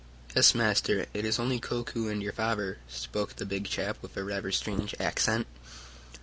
"Yes, master, it is only Koku and your father," spoke the big chap, with rather a strange accent.